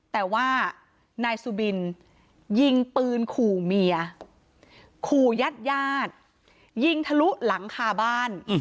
แต่ว่านายสุบินยิงปืนขู่เมียขู่ญาติญาติยิงทะลุหลังคาบ้าน